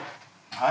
はい。